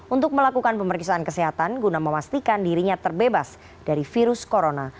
untuk melakukan pemeriksaan kesehatan guna memastikan dirinya terbebas dari virus corona